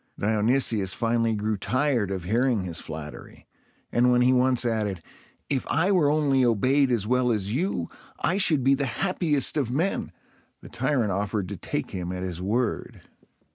Dionysius finally grew tired of hearing his flattery; and when he once added, "If I were only obeyed as well as you, I should be the happiest of men," the tyrant offered to take him at his word.